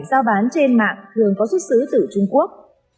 giao bán trên mạng thường có xuất xứ từ trung quốc